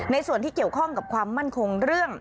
ส่วนที่เกี่ยวข้องกับความมั่นคงเรื่อง